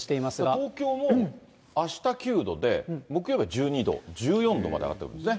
東京もあした９度で、木曜日は１２度、１４度まで上がってるんですね。